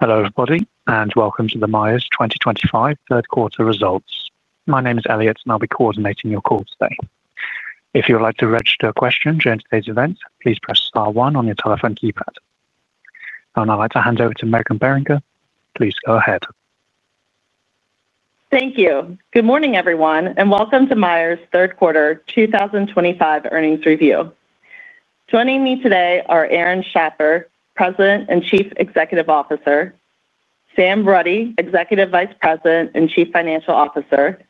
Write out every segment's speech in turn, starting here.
Hello everybody and welcome to the Myers 2025 third quarter results. My name is Elliot and I'll be coordinating your call today. If you would like to register a question during today's event, please press star 1 on your telephone keypad. I would now like to hand over to Meghan Beringer. Please go ahead. Thank you. Good morning everyone and welcome to Myers third quarter 2025 earnings review. Joining me today are Aaron Schapper, President and Chief Executive Officer, Sam Rutty, Executive Vice President and Chief Financial Officer,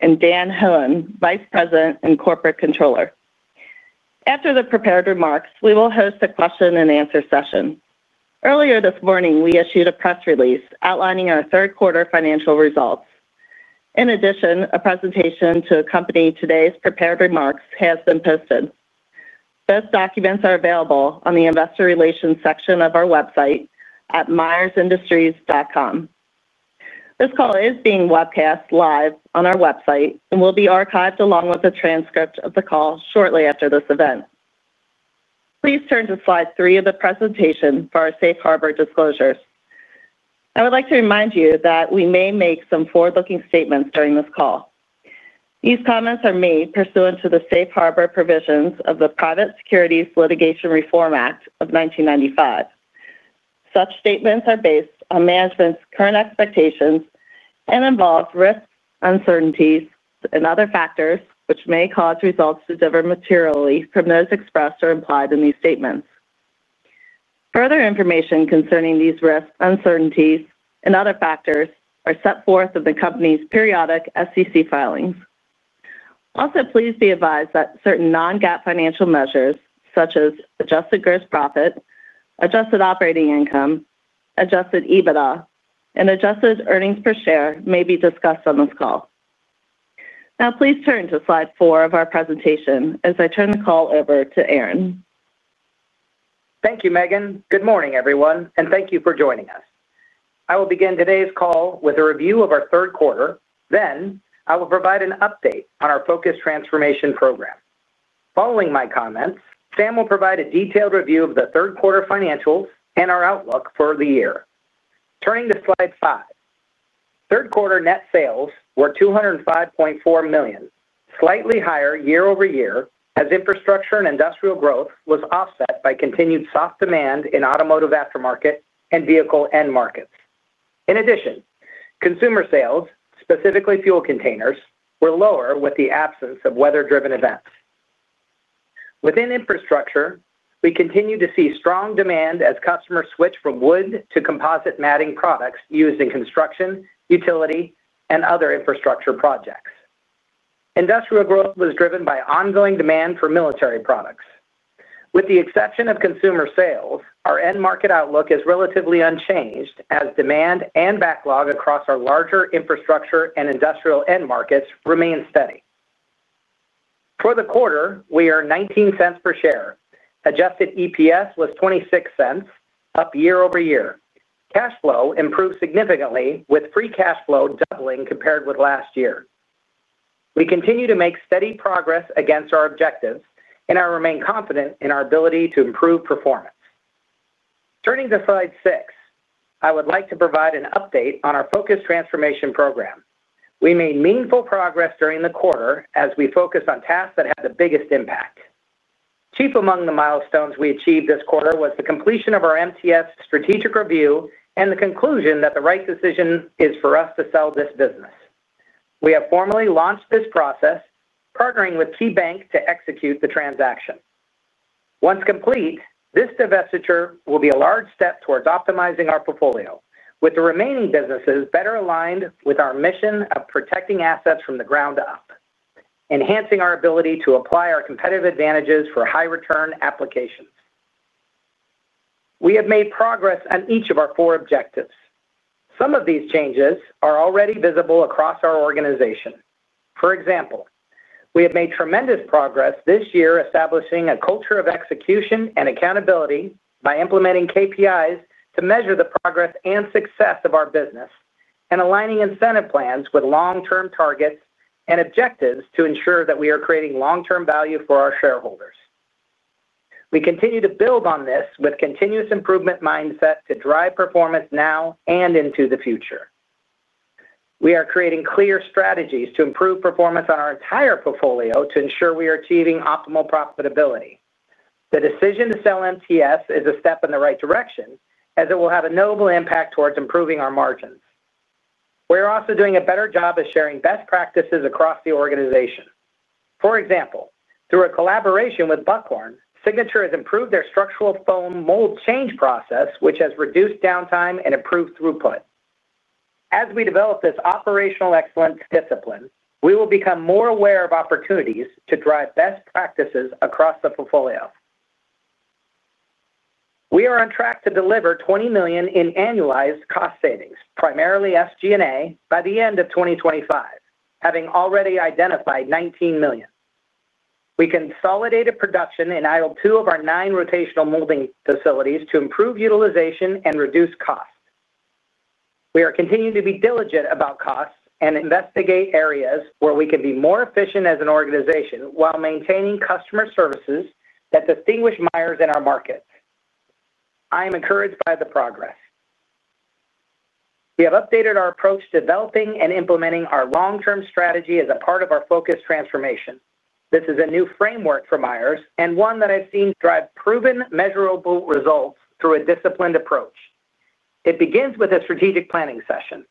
and Dan Hoehn, Vice President and Corporate Controller. After the prepared remarks, we will host a question and answer session. Earlier this morning we issued a press release outlining our third quarter financial results. In addition, a presentation to accompany today's prepared remarks has been posted. Both documents are available on the Investor Relations section of our website at myersindustries.com. This call is being webcast live on our website and will be archived along with a transcript of the call shortly after this event. Please turn to slide 3 of the presentation for our Safe Harbor disclosures. I would like to remind you that we may make some forward-looking statements during this call. These comments are made pursuant to the Safe Harbor provisions of the Private Securities Litigation Reform Act of 1995. Such statements are based on management's current expectations and involve risks, uncertainties, and other factors which may cause results to differ materially from those expressed or implied in these statements. Further information concerning these risks, uncertainties, and other factors are set forth in the company's periodic SEC filings. Also, please be advised that certain non-GAAP financial measures such as adjusted gross profit, adjusted operating income, adjusted EBITDA, and adjusted earnings per share may be discussed on this call. Now please turn to slide four of our presentation as I turn the call over to Aaron. Thank you, Meghan. Good morning, everyone, and thank you for joining us. I will begin today's call with a review of our third quarter. Then I will provide an update on our Focused Transformation program. Following my comments, Sam will provide a detailed review of the third quarter financials and our outlook for the year. Turning to slide 5, third quarter net sales were $205.4 million, slightly higher year-over-year as Infrastructure and Industrial growth was offset by continued soft demand in Automotive, Aftermarket, and Vehicle end markets. In addition, Consumer sales, specifically fuel containers, were lower with the absence of weather-driven events. Within Infrastructure, we continue to see strong demand as customers switch from wood to composite matting products used in construction, utility, and other Infrastructure projects. Industrial growth was driven by ongoing demand for military products. With the exception of Consumer sales, our end market outlook is relatively unchanged as demand and backlog across our larger Infrastructure and Industrial end markets remain steady. For the quarter, we earned $0.19 per share. Adjusted EPS was $0.26, up year-over-year. Cash flow improved significantly, with free cash flow doubling compared with last year. We continue to make steady progress against our objectives, and I remain confident in our ability to improve performance. Turning to slide 6, I would like to provide an update on our Focused Transformation program. We made meaningful progress during the quarter as we focused on tasks that had the biggest impact. Chief among the milestones we achieved this quarter was the completion of our MTS strategic review and the conclusion that the right decision is for us to sell this business. We have formally launched this process, partnering with KeyBank to execute the transaction. Once complete, this divestiture will be a large step towards optimizing our portfolio, with the remaining businesses better aligned with our mission of protecting assets from the ground up, enhancing our ability to apply our competitive advantages for high return applications. We have made progress on each of our four objectives. Some of these changes are already visible across our organization. For example, we have made tremendous progress this year establishing a culture of execution and accountability by implementing KPIs to measure the progress and success of our business and aligning incentive plans with long term targets and objectives to ensure that we are creating long term value for our shareholders. We continue to build on this with a continuous improvement mindset to drive performance now and into the future. We are creating clear strategies to improve performance on our entire portfolio to ensure we are achieving optimal profitability. The decision to sell MTS is a step in the right direction as it will have a notable impact towards improving our margins. We are also doing a better job of sharing best practices across the organization. For example, through a collaboration with Buckhorn, Signature has improved their structural foam mold change process, which has reduced downtime and improved throughput. As we develop this operational excellence discipline, we will become more aware of opportunities to drive best practices across the portfolio. We are on track to deliver $20 million in annualized cost savings, primarily SG&A, by the end of 2025. Having already identified $19 million, we consolidated production and idled two of our nine rotational molding facilities to improve utilization and reduce costs. We are continuing to be diligent about costs and investigate areas where we can be more efficient as an organization while maintaining customer services that distinguish Myers in our market. I am encouraged by the progress. We have updated our approach developing and implementing our long term strategy as a part of our Focused Transformation. This is a new framework for Myers and one that I've seen drive proven measurable results through a disciplined approach. It begins with a strategic planning session.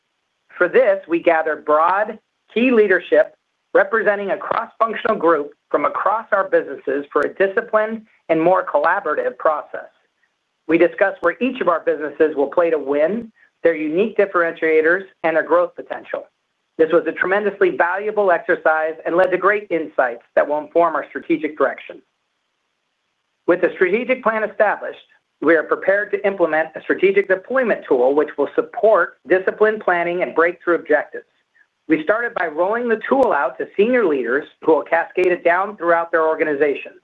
For this, we gather broad key leadership representing a cross-functional group from across our businesses for a disciplined and more collaborative process. We discuss where each of our businesses will play to win, their unique differentiators, and their growth potential. This was a tremendously valuable exercise and led to great insights that will inform our strategic direction. With the strategic plan established, we are prepared to implement a strategic deployment tool, which will support discipline, planning, and breakthrough objectives. We started by rolling the tool out to senior leaders who will cascade it down throughout their organizations.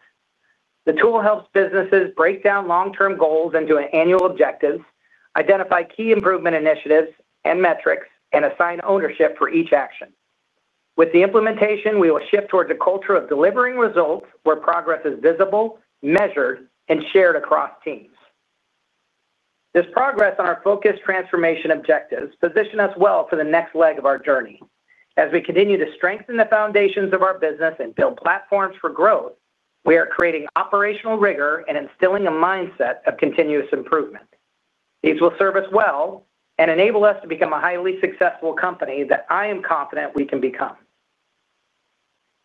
The tool helps businesses break down long-term goals into annual objectives, identify key improvement initiatives and metrics, and assign ownership for each action. With the implementation, we will shift towards a culture of delivering results where progress is visible, measured, and shared across teams. This progress on our focused transformation objectives positions us well for the next leg of our journey as we continue to strengthen the foundations of our business and build platforms for growth. We are creating operational rigor and instilling a mindset of continuous improvement. These will serve us well and enable us to become a highly successful company that I am confident we can become.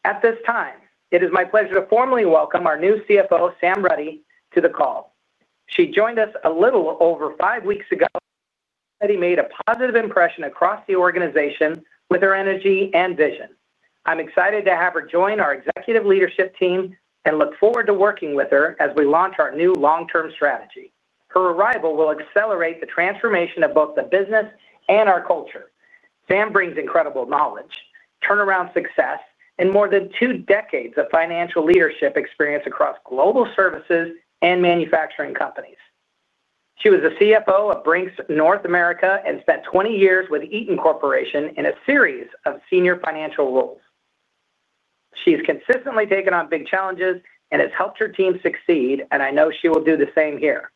At this time, it is my pleasure to formally welcome our new CFO, Sam Rutty, to the call. She joined us a little over five weeks ago and made a positive impression across the organization with her energy and vision. I'm excited to have her join our executive leadership team and look forward to working with her as we launch our new long-term strategy. Her arrival will accelerate the transformation of both the business and our culture. Sam brings incredible knowledge, turnaround success, and more than two decades of financial leadership experience across global services and manufacturing companies. She was the CFO of Brink's North America and spent 20 years with Eaton Corporation in a series of senior financial roles. She's consistently taken on big challenges and has helped her team succeed, and I know she will do the same here.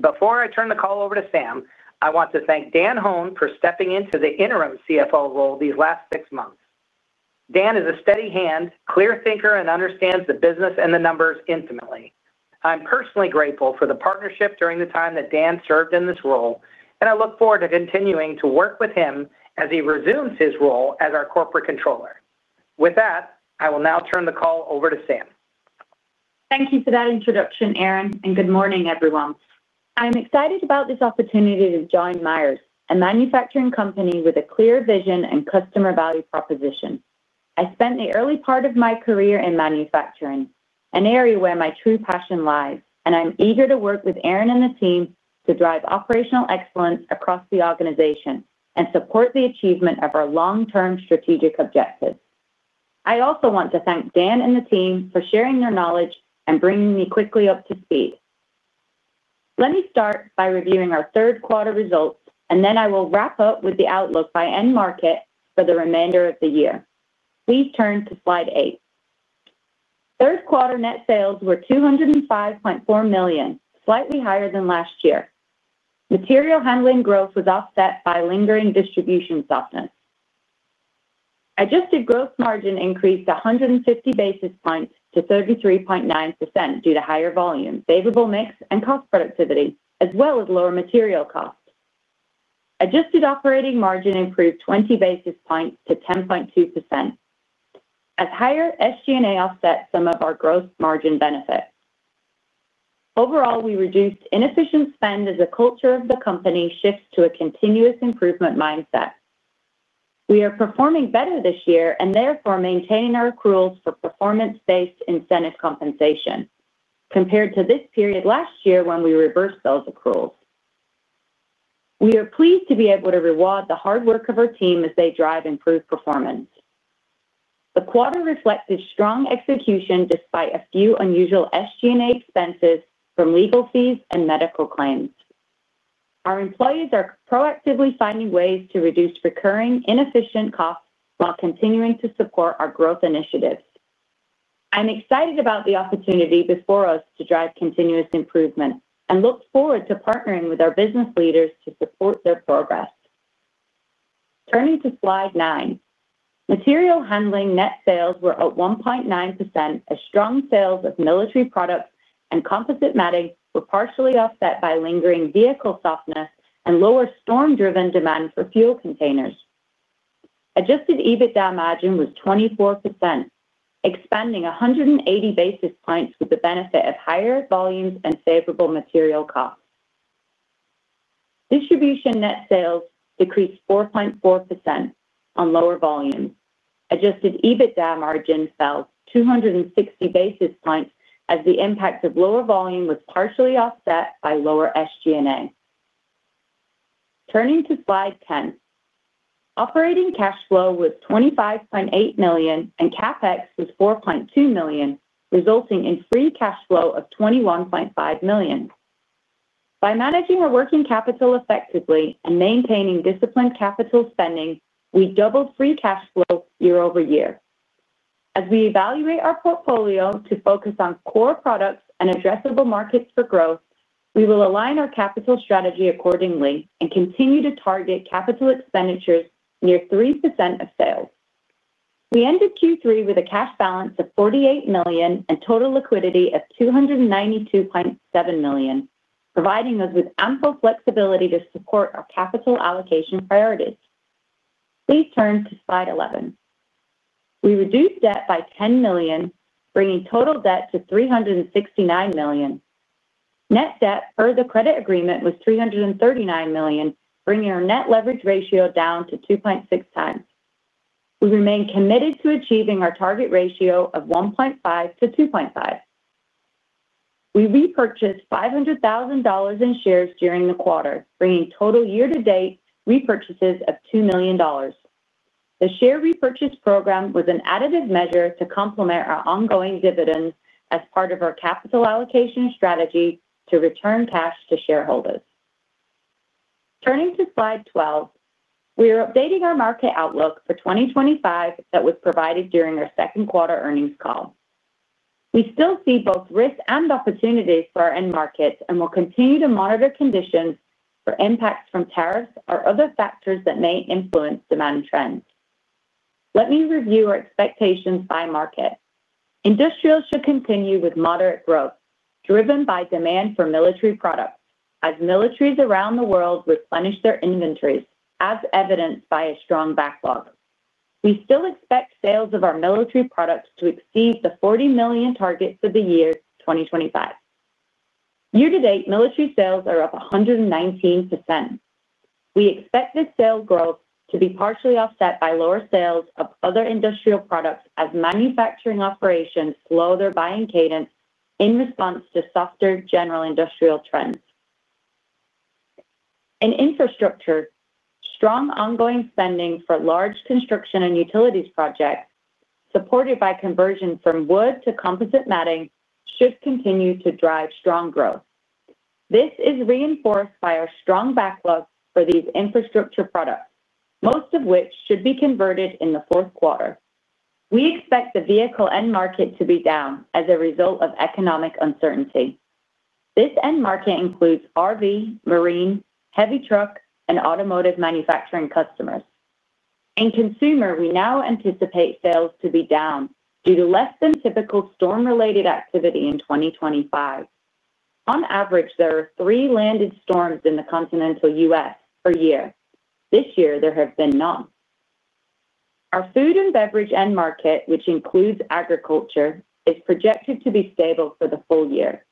Before I turn the call over to Sam, I want to thank Dan Hoehn for stepping into the interim CFO role these last six months. Dan is a steady hand, clear thinker, and understands the business and the numbers intimately. I'm personally grateful for the partnership during the time that Dan served in this role, and I look forward to continuing to work with him as he resumes his role as our Corporate Controller. With that, I will now turn the call over to Sam. Thank you for that introduction Aaron and good morning everyone. I am excited about this opportunity to join Myers, a manufacturing company with a clear vision and customer value proposition. I spent the early part of my career in manufacturing, an area where my true passion lies and I'm eager to work with Aaron and the team to drive operational excellence across the organization and support the achievement of our long term strategic objectives. I also want to thank Dan and the team for sharing their knowledge and bringing me quickly up to speed. Let me start by reviewing our third quarter results and then I will wrap up with the outlook by end market for the remainder of the year. Please turn to Slide 8. Third quarter net sales were $205.4 million, slightly higher than last year. Material Handling growth was offset by lingering distribution softness. Adjusted gross margin increased 150 basis points to 33.9% due to higher volume, favorable mix and cost productivity as well as lower material cost. Adjusted operating margin improved 20 basis points to 10.2% as higher SG&A offset some of our gross margin benefits. Overall, we reduced inefficient spend as the culture of the company shifts to a continuous improvement mindset. We are performing better this year and therefore maintaining our accruals for performance based incentive compensation compared to this period last year when we reversed those accruals. We are pleased to be able to reward the hard work of our team as they drive improved performance. The quarter reflected strong execution despite a few unusual SG&A expenses from legal fees and medical claims. Our employees are proactively finding ways to reduce recurring inefficient costs while continuing to support our growth initiatives. I'm excited about the opportunity before us to drive continuous improvement and look forward to partnering with our business leaders to support their progress. Turning to Slide 9. Material Handling net sales were up 1.9% as strong sales of military products and composite matting were partially offset by lingering Vehicle softness and lower storm driven demand for fuel containers. Adjusted EBITDA margin was 24%, expanding 180 basis points with the benefit of higher volumes and favorable material costs. Distribution net sales decreased 4.4% on lower volumes. Adjusted EBITDA margin fell 260 basis points as the impact of lower volume was partially offset by lower SG&A. Turning to Slide 10, operating cash flow was $25.8 million and CapEx was $4.2 million, resulting in free cash flow of $21.5 million. By managing our working capital effectively and maintaining disciplined capital spending, we doubled free cash flow year-over-year. As we evaluate our portfolio to focus on core products and addressable markets for growth, we will align our capital strategy accordingly and continue to target capital expenditures near 3% of sales. We ended Q3 with a cash balance of $48 million and total liquidity of $292.7 million, providing us with ample flexibility to support our capital allocation priorities. Please turn to Slide 11. We reduced debt by $10 million, bringing total debt to $369 million. Net debt per the credit agreement was $339 million, bringing our net leverage ratio down to 2.6x. We remain committed to achieving our target ratio of 1.5-2.5. We repurchased $500,000 in shares during the quarter, bringing total year-to-date repurchases to $2 million. The share repurchase program was an additive measure to complement our ongoing dividends as part of our capital allocation strategy to return cash to shareholders. Turning to Slide 12, we are updating our market outlook for 2025 that was provided during our second quarter earnings call. We still see both risk and opportunities for our end market and will continue to monitor conditions for impacts from tariffs or other factors that may influence demand trends. Let me review our expectations by market. Industrials should continue with moderate growth driven by demand for military products as militaries around the world replenish their inventories as evidenced by a strong backlog. We still expect sales of our military products to exceed the $40 million target for the year 2025. Year to date, military sales are up 119%. We expect this sales growth to be partially offset by lower sales of other Industrial products as manufacturing operations slow their buying cadence in response to softer general Industrial trends. In Infrastructure. Strong ongoing spending for large construction and utilities projects supported by conversion from wood to composite matting should continue to drive strong growth. This is reinforced by our strong backlog for these Infrastructure products, most of which should be converted in the fourth quarter. We expect the Vehicle end market to be down as a result of economic uncertainty. This end market includes RV, marine, heavy truck, and Automotive manufacturing customers. In Consumer, we now anticipate sales to be down due to less than typical storm-related activity in 2025. On average, there are three landed storms in the continental U.S. per year. This year, there have been none. Our Food & Beverage end market, which includes agriculture, is projected to be stable for the full year.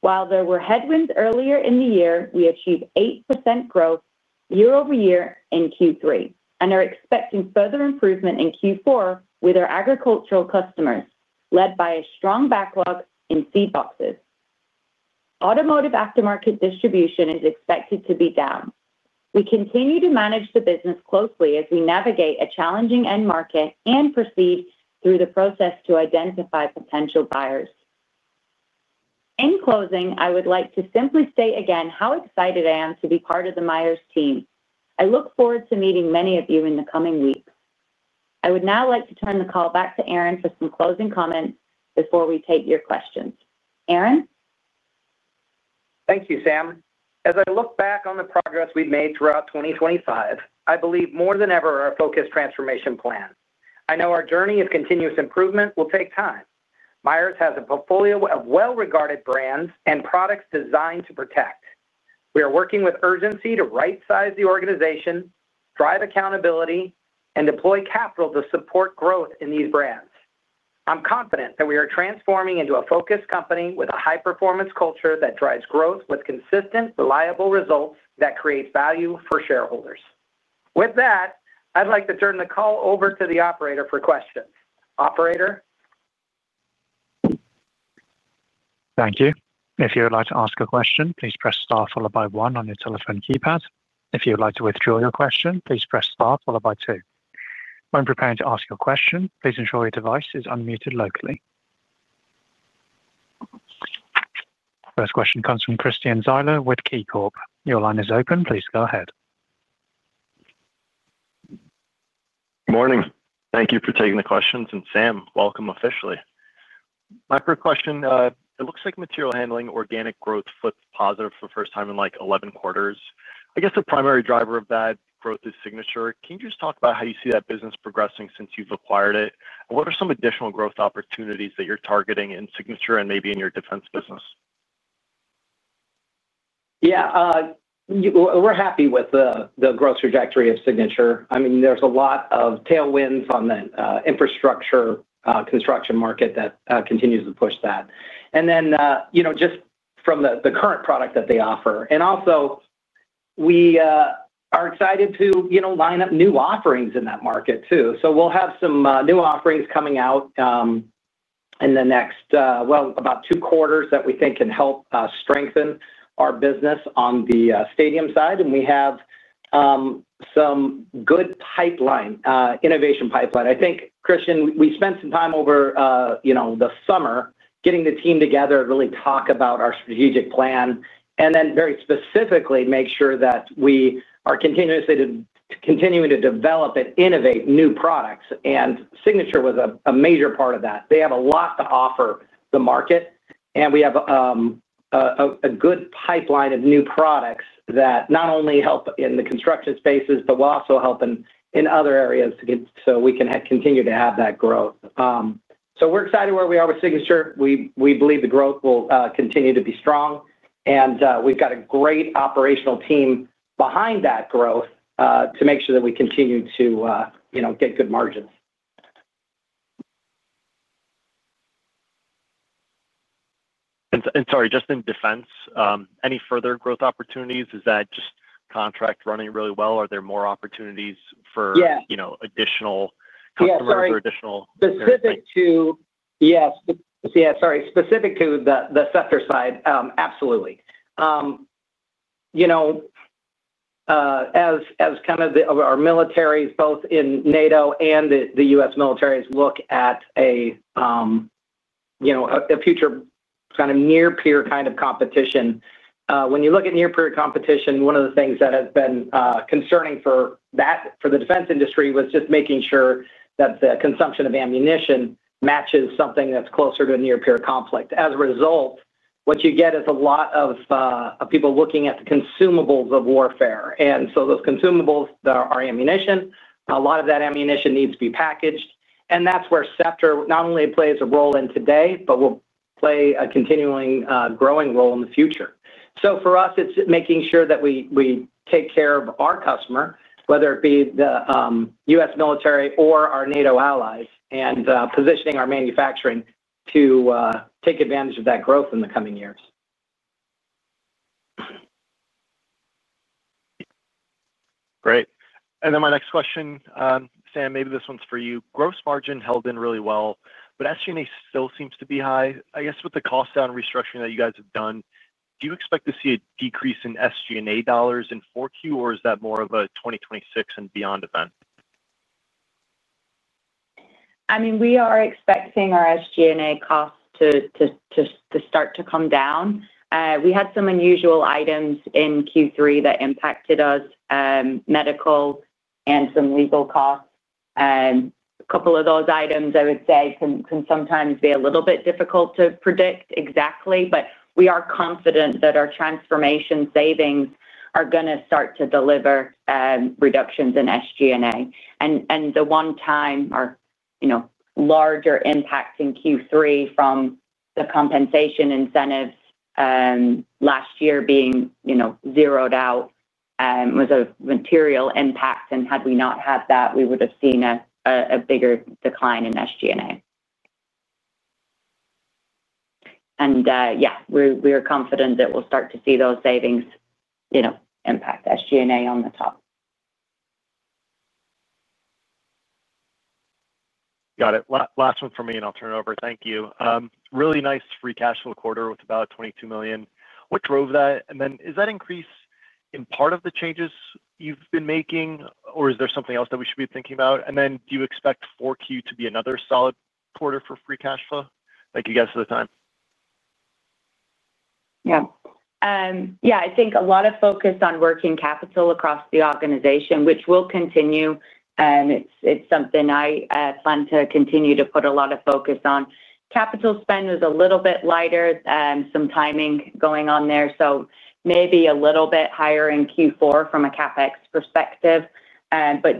While there were headwinds earlier in the year, we achieved 8% growth year-over-year in Q3 and are expecting further improvement in Q4. With our agricultural customers led by a strong backlog in seed boxes, Automotive Aftermarket distribution is expected to be down. We continue to manage the business closely as we navigate a challenging end market and proceed through the process to identify potential buyers. In closing, I would like to simply state again how excited I am to be part of the Myers team. I look forward to meeting many of you in the coming weeks. I would now like to turn the call back to Aaron for some closing comments before we take your questions. Aaron? Thank you, Sam. As I look back on the progress we've made throughout 2025, I believe more than ever our Focused Transformation plan. I know our journey of continuous improvement will take time. Myers has a portfolio of well regarded brands and products designed to protect. We are working with urgency to right size the organization, drive accountability, and deploy capital to support growth in these brands. I'm confident that we are transforming into a focused company with a high performance culture that drives growth with consistent, reliable results that create value for shareholders. With that, I'd like to turn the call over to the operator for questions. Operator. Thank you. If you would like to ask a question, please press star followed by one on your telephone keypad. If you would like to withdraw your question, please press star followed by two. When preparing to ask your question, please ensure your device is unmuted locally. First question comes from Christian Zyla with KeyBanc. Your line is open. Please go ahead. Morning. Thank you for taking the questions. Sam, welcome. Officially, my first question, it looks like Material Handling organic growth flipped to positive for the first time in like 11 quarters. I guess the primary driver of that growth is Signature. Can you just talk about how you see that business progressing since you've acquired it? What are some additional growth opportunities that you're targeting in Signature and maybe in your defense business? Yeah, we're happy with the growth trajectory of Signature. I mean there's a lot of tailwinds on the Infrastructure construction market that continues to push that, and just from the current product that they offer. We are also excited to line up new offerings in that market too. We'll have some new offerings coming out in the next, well, about two quarters that we think can help strengthen our business on the stadium side. We have some good pipeline, innovation pipeline. I think. Christian, we spent some time over the summer getting the team together, really talk about our strategic plan and then very specifically make sure that we are continuously continuing to develop and innovate new products. Signature was a major part of that. They have a lot to offer the market and we have a good pipeline of new products that not only help in the construction spaces, but will also help in other areas so we can continue to have that growth. We are excited where we are with Signature. We believe the growth will continue to be strong and we've got a great operational team behind that growth to make sure that we continue to, you know, get good margins. Sorry, just in defense, any further growth opportunities? Is that just contract running really well? Are there more opportunities for, you know, additional customers or additional? Specific to the sector side, absolutely. You know, as our militaries, both in NATO and the U.S. militaries, look at a future kind of near peer competition, when you look at near peer competition, one of the things that has been concerning for the defense industry was just making sure that the consumption of ammunition matches something that's closer to a near peer conflict. As a result, what you get is a lot of people looking at the consumables of warfare, and those consumables are ammunition. A lot of that ammunition needs to be packaged, and that's where Scepter not only plays a role today, but will play a continuing, growing role in the future. For us, it's making sure that we take care of our customer, whether it be the U.S. military or our NATO allies, and positioning our manufacturing to take advantage of that growth in the coming years. Great. My next question, Sam, maybe this one's for you. Gross margin held in really well, but SG&A still seems to be high. With the cost down restructuring that you guys have done, do you expect to see a decrease in SG&A dollars in 4Q, or is that more of a 2026 and beyond event? We are expecting our SG&A costs to start to come down. We had some unusual items in Q3 that impacted U.S. medical and some legal costs. A couple of those items can sometimes be a little bit difficult to predict exactly. We are confident that our transformation savings are going to start to deliver reductions in SG&A. The one-time or larger impact in Q3 from the compensation incentives last year being zeroed out was a material impact. Had we not had that, we would have seen a bigger decline in SG&A. We are confident that we'll start to see those savings impact SG&A on the top. Got it. Last one for me and I'll turn it over. Thank you. Really nice free cash flow quarter with about $22 million. What drove that? Is that increase in part of the changes you've been making or is there something else that we should be thinking about? Do you expect 4Q to be another solid quarter for free cash flow? Thank you guys for the time. I think a lot of focus on working capital across the organization, which will continue and it's something I plan to continue to put a lot of focus on. Capital spend is a little bit lighter, some timing going on there, so maybe a little bit higher in Q4 from a CapEx perspective.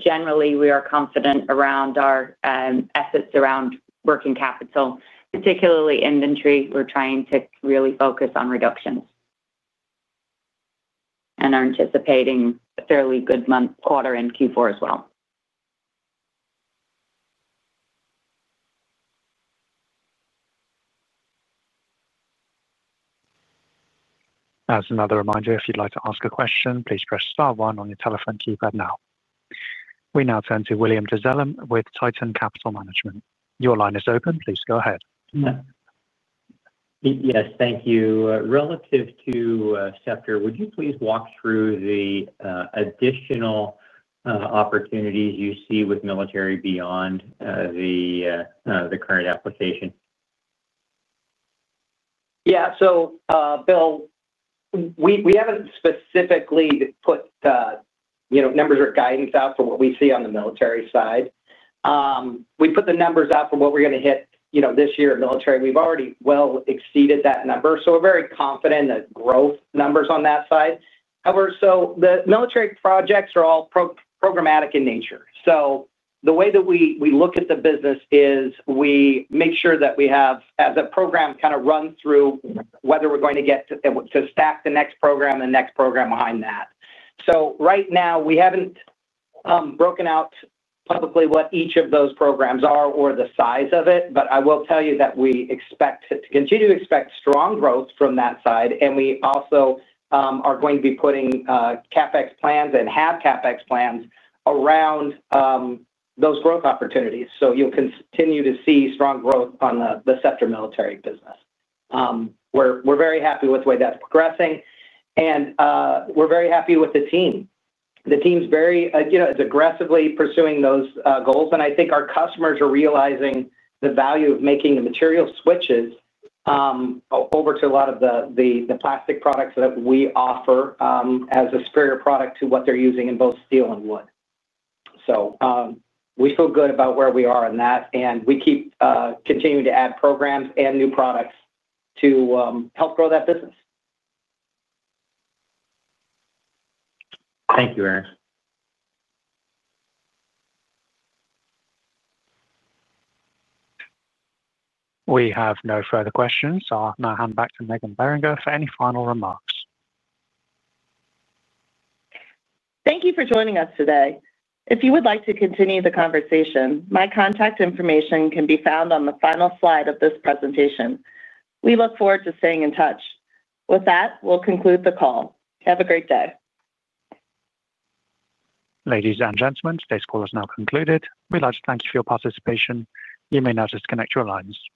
Generally, we are confident around our efforts around working capital, particularly inventory. We're trying to really focus on reductions and are anticipating a fairly good quarter in Q4 as well. As another reminder, if you'd like to ask a question, please press star one on your telephone keypad now. We now turn to William Dezellem with Tieton Capital Management. Your line is open. Please go ahead. Yes, thank you. Relative to sector, would you please walk through the additional opportunities you see with military beyond the current application? Yeah, so Bill, we haven't specifically put, you know, numbers or guidance out for what we see on the military side. We put the numbers out for what we're going to hit, you know, this year. Military, we've already well exceeded that number. We're very confident that growth numbers on that side. However, the military projects are all programmatic in nature. The way that we look at the business is we make sure that we have as a program kind of run through whether we're going to get to stack the next program, the next program behind that. Right now we haven't broken out publicly what each of those programs are or the size of it. I will tell you that we expect to continue to expect strong growth from that side and we also are going to be putting CapEx plans and have CapEx plans around those growth opportunities. You'll continue to see strong growth on the sector military business. We're very happy with the way that's progressing and we're very happy with the team. The team's very, you know, is aggressively pursuing those goals and I think our customers are realizing the value of making the material switches over to a lot of the plastic products that we offer as a superior product to what they're using in both steel and wood. We feel good about where we are in that and we keep continuing to add programs and new products to help grow that business. Thank you, Aaron. We have no further questions. I'll now hand back to Meghan Beringer for any final remarks. Thank you for joining us today. If you would like to continue the conversation, my contact information can be found on the final slide of this presentation. We look forward to staying in touch. With that, we'll conclude the call. Have a great day. Ladies and gentlemen, today's call has now concluded. We'd like to thank you for your participation. You may now disconnect your lines. Thank you.